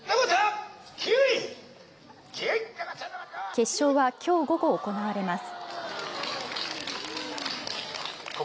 決勝はきょう午後、行われます。